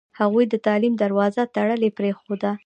هغوی د تعلیم دروازه تړلې پرېښوده.